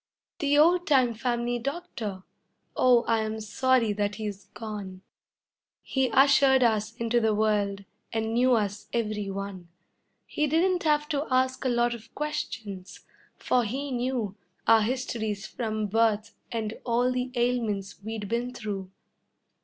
The old time family doctor! Oh, I am sorry that he's gone, He ushered us into the world and knew us every one; He didn't have to ask a lot of questions, for he knew Our histories from birth and all the ailments we'd been through.